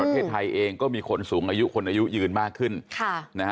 ประเทศไทยเองก็มีคนสูงอายุคนอายุยืนมากขึ้นค่ะนะฮะ